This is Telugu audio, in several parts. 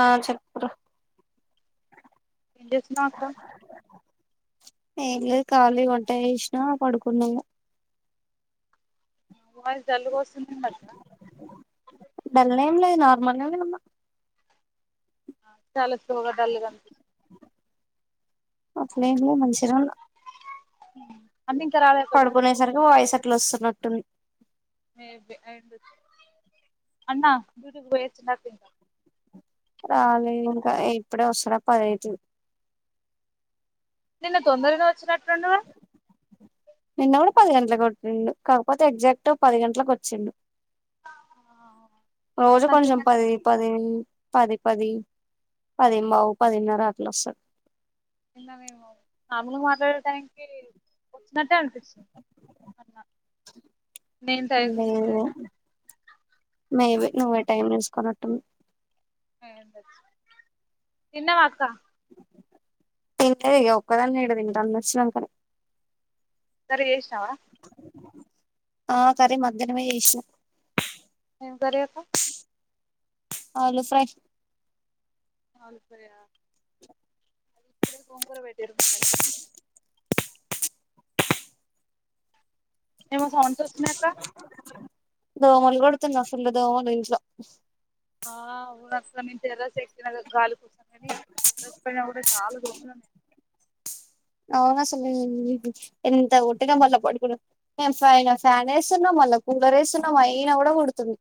ఆ చెప్పురా ఏం చేస్తున్నవ్ అక్క ఏం లేదు ఖాళీ వంట చేసినా పడుకున్న ఇగ మరి డల్ గోస్తుందేంది అక్క నార్మల్ గానే ఉన్న చాల స్లో గ డల్గ అనిపిస్ అట్లేమ్ లే మంచినే ఉన్న అనిపిస్తుంది అంటే ఇంకా రాలే అక్క డ్యూటీ పడుకునే సరికి వాయిస్ అట్లోస్తున్నట్టుంది ఎబె ఎంది అన్నా డ్యూటీ కి పోయొచ్చినా తింటా రాలేదు ఇంకా ఇప్పుడే వస్తాడ పదైతు నిన్న తొందరగ వచ్చినట్టుండవ్ నిన్న కూడా పది గంటలకు కొచ్చిండు కాకపోతే ఎగ్జాక్ట్ పది గంటలకు వచ్చిండు ఏమో రోజు నాకు కొంచెం నిన్న పది పది పది పది పదింబావ్ పదిన్నర అట్లోస్తడు నిన్న మెము మాములు మాట్లాడే టైం కి వచ్చినట్టే అనిపించిన్ అన్న నేను టైం లేదే చూసుకోలేదు మేబి నువ్వే టైం చూసుకొనట్టుంది అయుండొచ్చు తిన్నవా అక్క తిన్లే ఇగ ఒక్కదాన్ని ఈడ తింట అన్నోచ్చినంకనే కర్రి చేశినవా ఆ కర్రి మధ్యాహ్నమే చేశినా ఏం కర్రి అక్క ఆలూ ఫ్రై ఆలు ఫ్రై ఆ మీరు గోంగూర పెట్టిరు మనికి ఏమో సౌండ్స్ వస్తునయాక్క దోమలు గొడుతున్న ఫుల్ దోమలు ఇంట్లో ఇగ నెను టెర్రస్ ఎక్కిన గాలి కోసం గనీ టెర్రస్ పైన గూడ చాలా దోమలు ఉన్నయ్. అవును అసలు మ్ హు ఎంత కొట్టినా మళ్ళ పడుకునె ఫైన ఫ్యాన్ ఎస్తన్నము మళ్ళ కూలర్ ఏస్తున్నము అయినా గూడ కొడుతుంది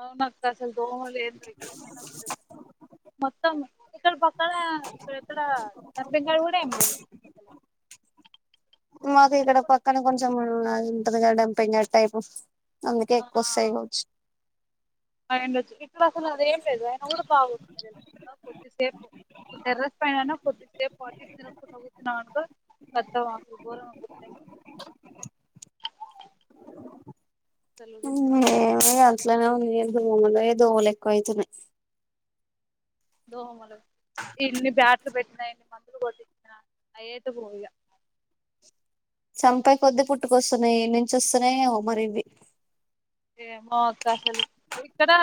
అవునక్క అసలు దోములు ఏందిర గిట్ల ఇక్కడ పక్కన ఇక్కడెక్కడా డంపింగ్ యార్డ్ గూడ ఎమి లేదు మాకు అయినా ఇక్కడ కూడా పక్కన కొంచం ఉన్నది ఉంటదిగ డంపింగ్ యార్డ్ టైపు అందుకే ఎక్కువొస్తాయ్ కావొచ్చు అయుండొచ్చు ఇక్కడ అసలు అది ఏం లేదు అయినా గూడ బాగోదు కొద్దిసేపు టెర్రస్ పైననా కొద్దిసేపు అటు ఇటు తిరుగుకుంటా కూసున్నమనుకో కతం అక్కడ గోరం [inaudible] మ్ ఇగ అట్లానే ఉంది దోమలే దోమలు ఎక్కువయితున్నయ్. దోమలు ఇన్ని బ్యాట్లు పెట్టినా ఎన్ని మందులు కొట్టించిన అయ్యాయితే బోవు ఇగ చంపే కొద్ది పుట్టుకొస్తున్నయ్ ఏనుంచి వస్తున్నయెమో మరివ్వి ఏమో అక్క అసలు ఇక్కడా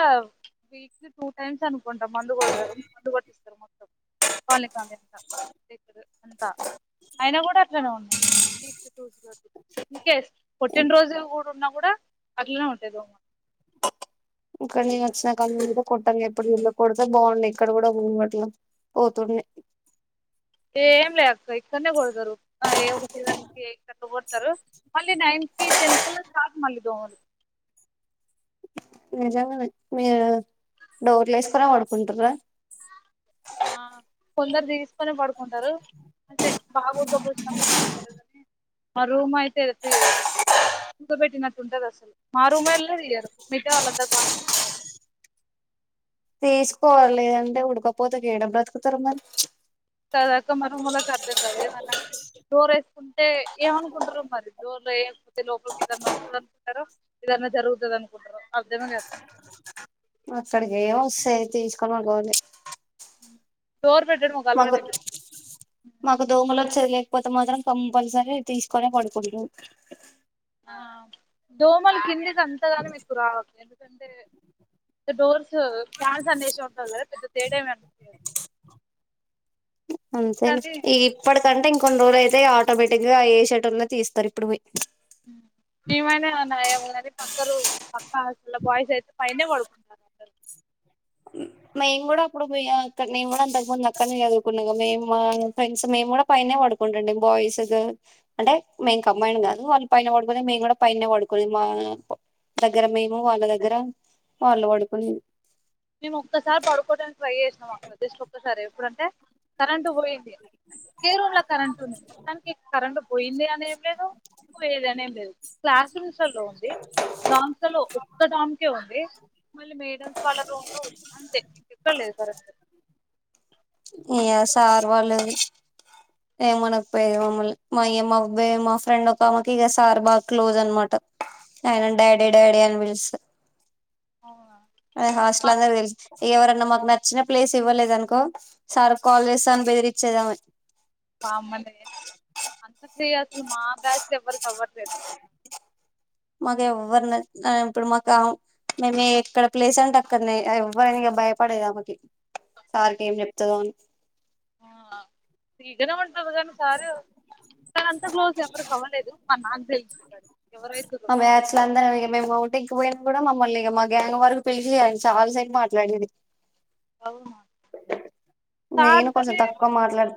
వీక్లీ టూ టైమ్స్ అను మొన్న మందు కొడతారు మందు కొట్టిస్తారు కాలే కాలే అంత అంతా అయినా కూడా అట్లనే ఉన్నాయి. ఇన్ కేస్ పుట్టినరోజు లో కూడా ఉన్నా కూడా అట్లనే ఉం తెరుదోమ. ఇక్కడ నేన్ వచ్చిన కంచ్ కూడ కొటంగా ఎప్పుడు చుల్లే కొడుతే బాగుండ్ ఇక్కడ కూడా బన్వట్ల పోతుంది ఎంలే అక్క ఎక్కన్నే కొడుతారు ఏ ఒక పిల్లగాని కేక్ అట్లా కొత్తరు మళ్ళీ నైన్ కి ఇ టెన్త్ కళ్ళ స్టాట్ మళ్ళి దోమలు నిజంగనే మీరు డోర్లు వేసుకోనే పడుకుంటారా ఆ కొందరు తీసుకొనే పడుకుంటారు అంటే బాగా ఊఉకపోసీనప్పుడు తీస్తారుకాని మా రూమ్ అయితే [unintelligible] చేయదు. ముగ పెట్టినట్టుంటది అసలు మా రూమొలే తీయరు మిగతా వాళ్ళందరు బాగా తీసుకుంటారు. తీసుకోవాలి లేదంటే ఉడుకపోతకి ఎడ బ్రతుకుతారు మరి కదాక్క మ రుమోళ్లకు అర్థం కద్ ఏమన్నాంటే డోర్ వేసుకుంటే ఏమనుకుంటారు మరి డోర్ లేయకపోతే లోపలికి ఏదనా వస్తది అనుకుంటార ఎదన్ కన జరుగుతదనుకుంటరో అర్ధమే కట్లే అక్కడికి ఏం వస్తాయి తీసుకొని [unintelligible] డోర్ పెట్టడం ఒక మకు అలవాటు అయిపోయింది మాకు దోమలోచ్చిదిలే పోతే మాత్రం కంపల్సరీ తీసుకొనే పడుకుంట్రూ ఆ దోమలు కిందికి అంతగనం మీకు రావ్ ఎందుకంటే డోర్స్ ఫ్యాన్స్ అనేషే ఉంటుంది కదా పెద్ద తేడామనిపియదు. అంతే లే ఇగ ఇప్పటికంటే ఇంకొన్ని రోజులైతే ఆటోమేటిక్గా ఏషేటోళ్ళే తీస్తారు ఇప్పుడు పోయి మిమన్న నయ్యం కానీ పక్క ర్ పక్కన హాస్టల్ల బాయ్స్ అయితే పైన్నే పడుకు మేము కూడా అప్పుడు పోయమక్కడ మేము కూడా అంతకుముందు అక్క న్నే చదువుకున్నాగా మేము మా ఫ్రెండ్స్ మేము కూడా పైనే పడుకుంటండి బాయ్స్ అంటే మేం కంమైండ్ కాదు వాళ్ళు పైన పడుకునేది మేము కూడా పైన్నే పడుకునేద్ మా అవును దగ్గర మేము వాళ్ళ దగ్గర వాళ్ళు పడుకునే మేము ఒక్కసారి పడుకోడాానికి ట్రై చేసాం అక్క జస్ట్ ఒక్కసారే ఎప్పుడంటే కరెంట్ ట్ పోయింది కే రూన్ల కరెంట్ ఉంది మొత్తానికి కరెంట్ పోయింది అని ఏం లేదు పోయేది అని ఏం లేదు క్లాస్ రూమ్స్ లళ్ళో ఉంది దామ్స్ లళ్ళో ఒక్క దానికే ఉంది మళ్ళీ మేడం వాళ్ళ రూమ్ అంతే మీక్ ఎక్కడ లేదు కరెంట్ ఇగ సార్ వాళ్ళు ఏమనకపోయేది మమ్మల్ని మా అయ్య మాక్ బె మా ఫ్రెండ్ ఒక అమేకి ఇగ సార్ బాగా క్లోజ్ అన్నమాట అయినను డాడీ డాడీ అని పిలుస్త అది హాస్ట్ల్ అందరికి తెలూస్ ఎవరన్నా మాకు నచ్చిన ప్లేస్ ఇవ్వలేదనుకో సార్ కాల్ చేస్త అని బెదిరిచ్చేదామే మమ్మల్ని అంత ఫ్రీ అసలు మా బ్యాచ్ లో ఎవరికి అవ్వట్లేదు మాకు ఎవ్వరు న్ ఇప్పుడు మాక్ అ మేము ఎ ఎక్కడ ప్లేస్ అంటే అక్కడన్నే ఎవ్వరైనా ఇగ భయపడేదమేకి సర్ కి ఏం చెప్తదో అని ఎదవంటున్నవ్ కద సారు కానీ అంత గ్లోజ్ ఎవరికవ్వలేదు మర్ నాక్ తెలిచిన కంచ్ మ బ్యాచ్ ల అందరు ఇగ మేం బాటింగ్క్ కూడా మమ్మల్ని ఇగ మా గ్యాంగ్ వారిక్ పిలిచి చాలా సైపు మాట్లాడేది అవునా నేను కొంచెం తక్కువ మాట్లాడ్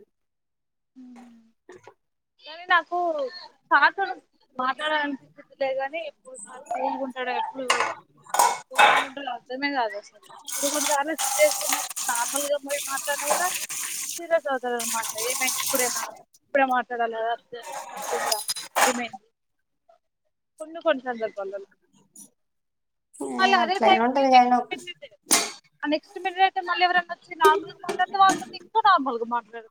మ్ కానీ నాకు చత మాట్లాడాలనిపించలే గాని కో సర్ ఫ్రీ గా ఉంటాడు ఎప్పుడు [unintelligible] అర్ధమే కాదు అసలు కొని కొని సార్లు. ఏదో నాక్ నార్మల్గా పోయ్ మాట్లాడన కూడా సీరియస్ అవుతాడు అన్నమాట ఏమైంది ఇప్పుడేనా ఇపుడే మా [inaudible] కొన్ని కొంచెం జర్పాలల్ వాళ్ళు అదే అట్లనే టైమ్కి ఉంటది కానీ నెస్ట్ ఆ నెక్స్ట్ మ మళ్ళీ ఎవరైనా వచ్చి నార్మాల్గ మాట్లాడితే వాళ్ళతోటి ఇంకా నార్మల్ గా మాట్లాడ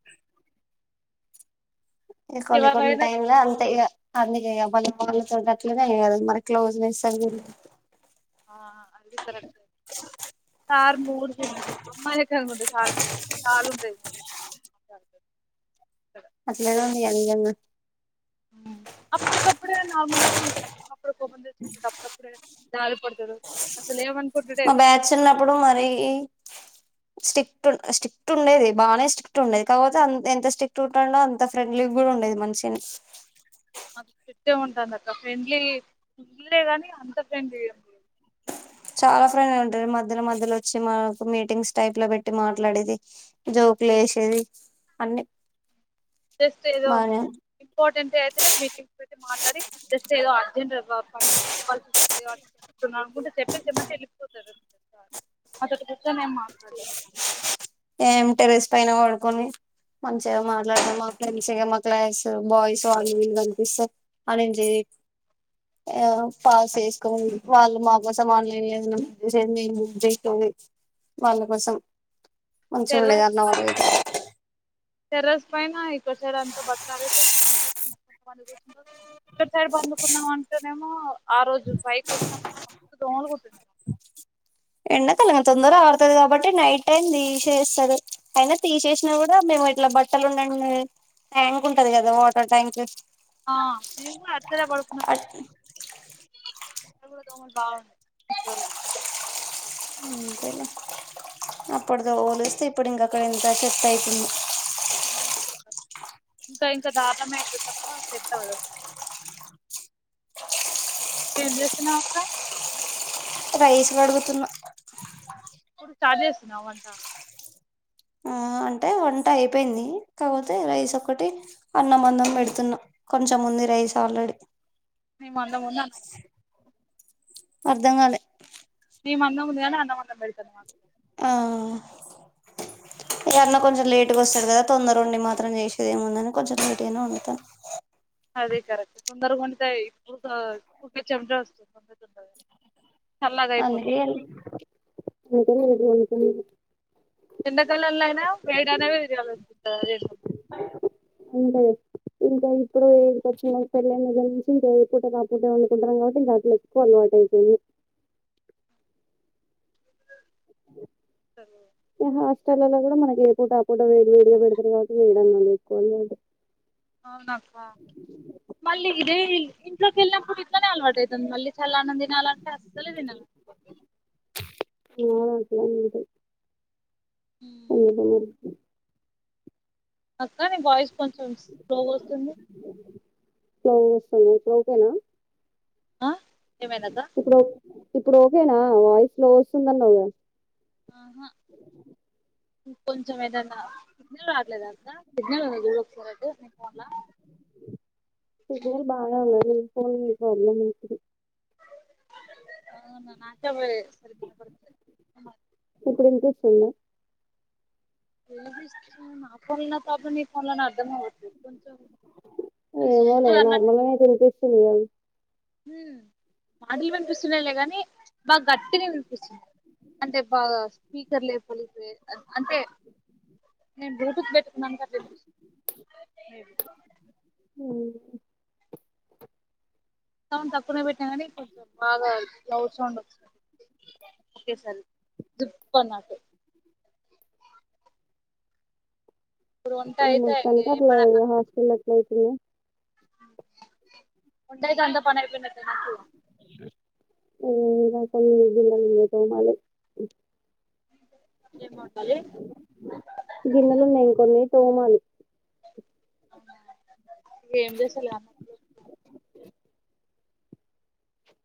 కొన్ని కొన్ని ఎవరైనా టైంలా అంతే ఇగ అందుకే మళ్ళీ వాళ్ళతోడ గట్లనే కదు మరి క్లోజ్నెస్ అది సార్ మూడ్కి అమ్మాయి దగ్గర కాలెదు కాలుంటయ్ అట్లేదో మీ యంగ్ అన్న అప్పటికప్పుడే నార్మల్గానే ఉంటది అప్పుడు జాలిపడతడు అసలు ఏమన్ మా బ్యాచున్నప్పుడు మరి స్టిక్ట్ స్టిక్ట్ ఉండేది బాగానే స్టిక్ట్ ఉండేది కాకపోతే ఎంత స్ట్రిక్టుంటుండే అంత ఫ్రెండ్లీ కూడా ఉండేది మన్షిని మాక్ చెట్టే ఉంటందక్క ఫ్రెండ్లీ ఫ్రెండ్లే గానీ అంత ఫ్రెండ్లీ ఏం లేదు చాలా ఫ్రెండ్లీ ఉంటాది మధ్యలో మధ్యలో వచ్చి మాకు మీటింగ్స్ టైప్లో పెట్టి మాట్లాడేది జో ఒకులేసేది అన్ని జస్ట్ ఏదో బానే ఇంపార్టెంటైతేనే మీటింగ్స్ పెట్టి మాట్లాడి జస్టేదో అర్జెంట్ పని చెప్పాల్సోస్తుంది వాటిని చెప్తున్నా అనుకుంటే చెప్పేసెమంటెళ్ళిపోత [unintelligible] అదొక్కటి నేం మాట్లాడలే ఏం టెరెస్ పైన వడుకొని మంచిగా మాట్లాడ మా ఫ్రెండ్స్ మా క్లాస్ బాయ్స్ వాళ్ళు వీళ్ళు కనిపిస్తే అని ఆ పాస్ చేస్కో వాళ్ళు మాకోసమాన్లు [unintelligible] వాళ్ళ కోసం మంచి ఉండేది టెర్రస్ అన్న పైన వాళ్ళ టెర్రస్ పైన ఇక్కడ సైడ్ అంతా బట్టలారెతే అట్ మూలక్ ఇక్కడ సైడ్ పండుకుందాం అంటేనేమో ఆ రోజు బైటోచ్చినప్పుడు మస్తు దోమలు కుట్టి ఎండాకాలం తొందర ఆరుతది కాబట్టి నైట్ టైమ్ తీసేస్తరు అయినా తీసేసిన కూడా మేము ఇట్లా బట్టలు ఉన్నా ట్యాంక్ ఉంటది కదా వాటర్ ట్యాంక్ ఆ మేము కూడా అటు సైడే పడుకున్నాము కని అంతేలే [inaudible] అంతెలే అప్పుడుతో పోలిస్తే ఇప్పుడు ఇంక అక్కడ అంత సెటైతుంది ఇంకా ఇంకా దార్నమైతది తప్ప సెట్ అవదు అసలు ఏం చేస్తున్నవక్క రైస్ కడుగుతున్న ఇప్పుడు స్టార్ట్ చేస్తున్నావ వంట ఆ అంటే వంట అయిపోయింది కాపోతే రైస్ ఒకటి అన్నం అన్నం పెడుతున్నా కొంచెం ఉంది రైస్ ఆల్రడీ మేం అన్నం ఉన్నాం అర్ధంకాలే మీ మందం వుంది గాని అన్నమందం పెడతాంది మాకు ఆ ఇగ అన్నా కొంచెం లేటుగ వస్తాడు కదా. తొందరుండి మాత్రం చేసేది ఏముందని కొంచెం లేట్ గనె వండుత అదే కరెక్ట్ తొందరగా వండుతే ఊకే చెమట ఊకె చెమట వాస్తు అందుకే [unintelligible] ఎండకాలల్లో అయినా వేడ అనేవి [unintelligible] ఉంటయి ఇంకా ఇప్పుడు ఎడ్కోచినంకా పెళ్ళైన దగ్గర నుంచి ఇంకా పూటకాపూట వండుకుంటారుం కాబట్టింకా అట్లో ఎక్కువ అన్న చేసేది హా టల్లలో కూడా మనకి ఏ పూట ఆ పూట వేడి వేడిగా పెడతారు కాబట్టి వేడిన్నం ఎక్కువనే అవునక్క మళ్ళీ ఇదే ఇంట్లోకి ఎల్లప్పుడూ ఇట్లనే అల్వాటు అవుతుంది. మళ్ళీ చల్లఅన్నం తినాలంటే అస్సలే తినము. చేదు చేదుగుంటది అందుకే మరిష్టం అక్క నీ వాయిస్ కొంచెం స్లో వస్తుంది. స్లో వస్తుంది ఇప్పుడు ఒకేనా ఆ ఏమైందక్క ఇప్పుడు ఓకేనా వాయిస్ స్లో వస్తుందన్నావుగా ఆహ కొంచెం ఏదన్నా సిగ్నల్ రాట్లేదా అక్క సిగ్నల్ వుందేమో చూడు ఒకసారి నీ ఫోన్లా సిగ్నల్ బాగా ఉన్నది నీ ఫోన్ ప్రాబ్లెమ్ ఉంది అవును నాకూడా లేదు ఇప్పుడు ఇనిపిస్తుంద వినిపిస్తున్ నా ఫోన్లో ప్రాబ్లెమ్ నీ ఫోన్లో అర్ధం అవ్వట్లేదు కొంచెం జీ ఏమోలే నార్మలనే వినిపిస్తుందిగా హుమ్మ్ మాటలు వినిపిస్తున్నాయిలే గాని బాగా గట్టిని వినిపిస్తున్నాయి అంటే బాగా స్పీకర్ లేపలి అంటే నేన్ బ్లూటూత్ పెట్టుకున్నందుకు అట్ల వినిపిస్తుంది అ సౌండ్ తక్కువనే పెట్టిన కానీ కొంచెం బాగా లౌడ్ సౌండ్ వస్తుంది. ఓకే సారి దుప్పఅన్నట్టు ఇప్పుడు వంట అయితే ఏ మొత్తానికి అట్ల పని హాస్పిటల్ల అయితుంది అంతట అంతా పనయిపోయినట్టే మనకు అల్లా మళ ఏం వండాలి [unintelligible] గిన్నెలు ఉన్నాయి కొన్ని తోమాలి ఏం చేసాలి ఇగ